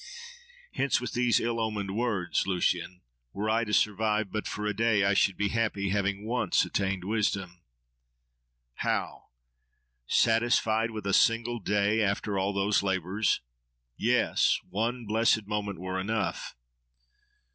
—Hence, with these ill omened words, Lucian! Were I to survive but for a day, I should be happy, having once attained wisdom. —How?—Satisfied with a single day, after all those labours? —Yes! one blessed moment were enough!